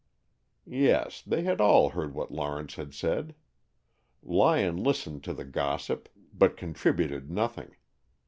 Yes, they had all heard what Lawrence had said. Lyon listened to the gossip, but contributed nothing.